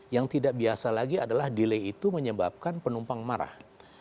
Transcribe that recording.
yang tidak biasa lagi adalah delay itu menyebabkan penumpang marah